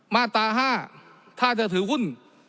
มาตรา๕ถ้าจะถือหุ้น